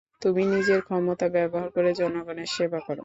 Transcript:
তুমি নিজের ক্ষমতা ব্যবহার করে জনগণের সেবা করো।